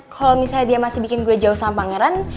kalau misalnya dia masih bikin gue jauh sama pangeran